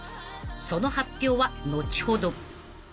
［その発表は後ほど］